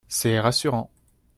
C’est rassurant